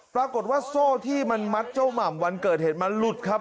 ปรากฏว่าโซ่ที่มันมัดเจ้าหม่ำวันเกิดเหตุมันหลุดครับ